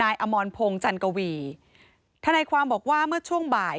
นายอามอนพงจันกวีถ้าในความบอกว่าเมื่อช่วงบ่าย